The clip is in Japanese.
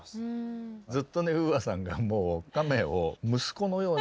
ずっとねＵＡさんが亀を息子のように。